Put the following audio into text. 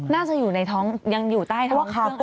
น่าจะอยู่ในท้องเยี่ยมอยู่ใต้ท้องเครื่องอัดอุปกรณ์